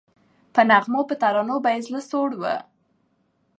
په نغمو په ترانو به یې زړه سوړ وو